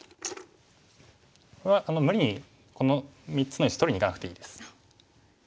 これは無理にこの３つの石取りにいかなくていいです。